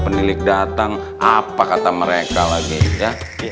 penilik datang apa kata mereka lagi ya